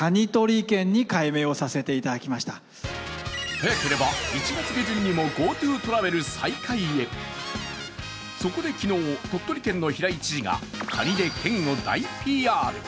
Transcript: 早ければ１月下旬にもＧｏＴｏトラベル再開へそこで昨日、鳥取県の平井知事がカニで県を大ＰＲ。